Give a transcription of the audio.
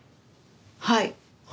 はい。